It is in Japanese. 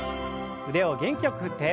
腕を元気よく振って。